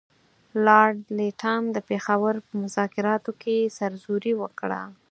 لارډ لیټن د پېښور په مذاکراتو کې سرزوري وکړه.